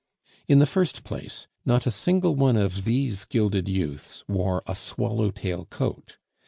In the first place, not a single one of these gilded youths wore a swallow tail coat.